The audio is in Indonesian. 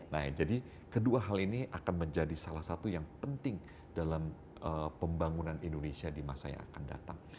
nah jadi kedua hal ini akan menjadi salah satu yang penting dalam pembangunan indonesia di masa yang akan datang